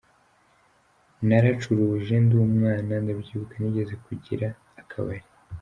Naracuruje ndi umwana, ndabyibuka nigeze kugira akabari.